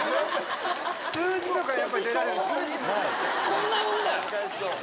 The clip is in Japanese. こんなもんだよ。